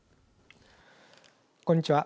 こんにちは。